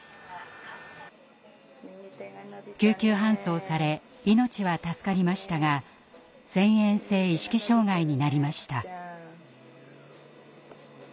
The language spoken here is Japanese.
救急搬送され命は助かりましたが遷延性意識障害になりました。